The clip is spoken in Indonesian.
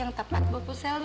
yang tepat buat posel lo